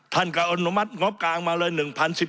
ท่านก็อนุมัติงบกลางมาเลย